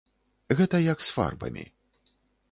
Гэта як з фарбамі.